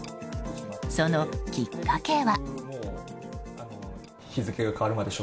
そのきっかけは。